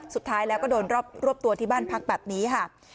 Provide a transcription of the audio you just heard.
สุดท้ายแล้วก็โดนรวบตัวที่บ้านพักแบบนี้ค่ะ